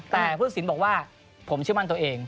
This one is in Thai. แต่ผู้ตัดสินบอกว่าผมเชื่อมั่นตัวเอง